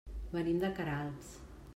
Venim de Queralbs.